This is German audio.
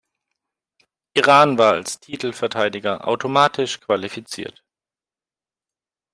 Iran war als Titelverteidiger automatisch qualifiziert.